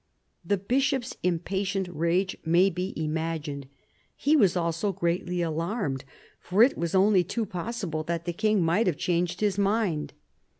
..." The Bishop's impatient rage may be imagined. He was also greatly alarmed, for it was only too possible that the King might have changed his mind.